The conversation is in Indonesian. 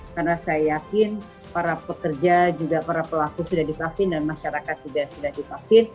karena saya yakin para pekerja juga para pelaku sudah divaksin dan masyarakat juga sudah divaksin